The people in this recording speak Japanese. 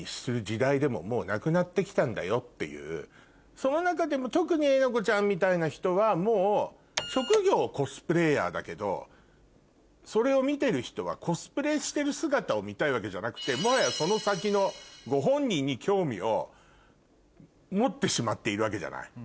その中でも特にえなこちゃんみたいな人はもう職業コスプレイヤーだけどそれを見てる人はコスプレしてる姿を見たいわけじゃなくてもはやその先のご本人に興味を持ってしまっているわけじゃない。